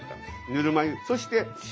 ぬるま湯そして塩。